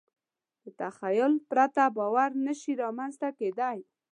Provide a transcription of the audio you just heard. له تخیل پرته باور نهشي رامنځ ته کېدی.